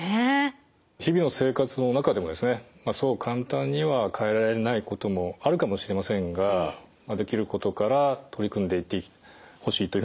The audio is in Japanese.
日々の生活の中でもそう簡単には変えられないこともあるかもしれませんができることから取り組んでいってほしいというふうに思います。